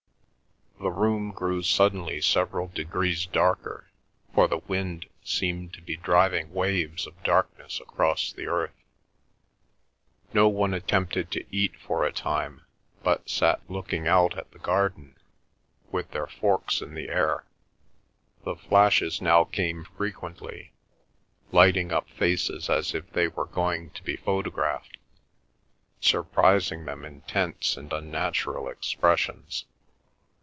The room grew suddenly several degrees darker, for the wind seemed to be driving waves of darkness across the earth. No one attempted to eat for a time, but sat looking out at the garden, with their forks in the air. The flashes now came frequently, lighting up faces as if they were going to be photographed, surprising them in tense and unnatural expressions.